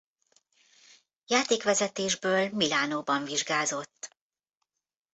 Játékvezetésből Milánóban vizsgázott.